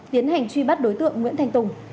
tiến hành truy bắt đối tượng nguyễn thanh tùng